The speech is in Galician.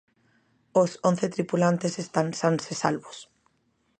Os once tripulantes están sans e salvos.